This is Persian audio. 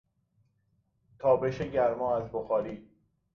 تابش گرما از بخاری